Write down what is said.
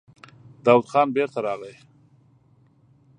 داوود خان بېرته راغی.